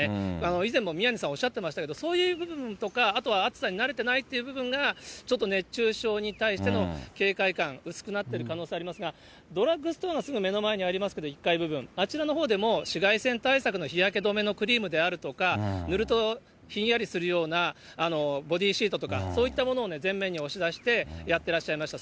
以前も宮根さんおっしゃっていましたけど、そういう部分とか、あとは暑さに慣れてないという部分が、ちょっと熱中症に対しての警戒感、薄くなっている可能性ありますが、ドラッグストアがすぐ目の前にありますけど、１階部分、あちらのほうでも紫外線対策の日焼け止めのクリームであるとか、塗るとひんやりするようなボディシートとか、そういうものを前面に押し出してやってらっしゃいました。